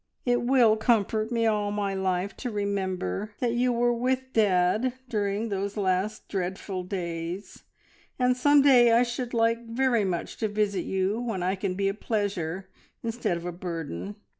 "It will comfort me all my life to remember that you were with dad during those last dreadful days, and some day I should like very much to visit you when I can be a pleasure instead of a burden.